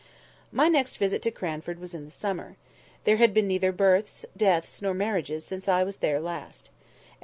My next visit to Cranford was in the summer. There had been neither births, deaths, nor marriages since I was there last.